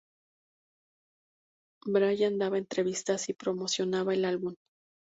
Bryan daba entrevistas y promocionaba el álbum.